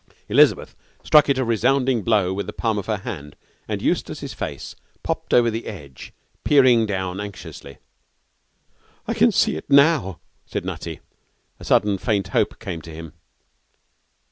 Elizabeth struck it a resounding blow with the palm of her hand, and Eustace's face popped over the edge, peering down anxiously. 'I can see it now,' said Nutty. A sudden, faint hope came to him.